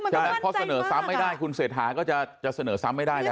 เพราะเสนอซ้ำไม่ได้คุณเศรษฐาก็จะเสนอซ้ำไม่ได้แล้ว